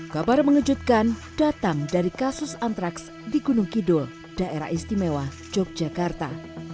kabar mengejutkan datang dari kasus antraks di gunung kidul daerah istimewa yogyakarta